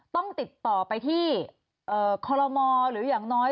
ต้องติดต่อไปที่คอลโลมหรืออย่างน้อย